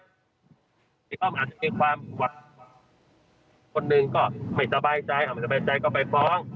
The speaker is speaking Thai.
ขอบคุณลุงศรีขอบคุณแม่อาจจะมีความหวังคนหนึ่งก็ไม่สบายใจไม่สบายใจก็ไปฟ้อง